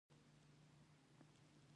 د هلمند په نیت ولاړو.